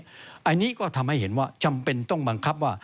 อันนี้ก็ทำให้เห็นว่าจำเป็นต้องบังคับว่า